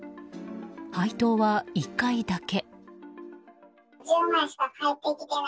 配当は１回だけ。